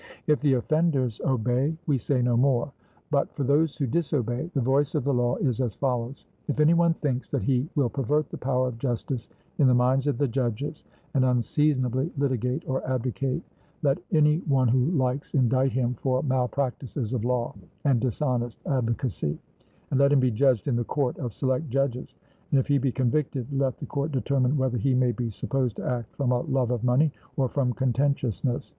If the offenders obey we say no more; but for those who disobey, the voice of the law is as follows: If any one thinks that he will pervert the power of justice in the minds of the judges, and unseasonably litigate or advocate, let any one who likes indict him for malpractices of law and dishonest advocacy, and let him be judged in the court of select judges; and if he be convicted, let the court determine whether he may be supposed to act from a love of money or from contentiousness.